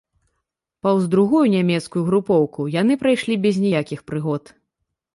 Паўз другую нямецкую групоўку яны прайшлі без ніякіх прыгод.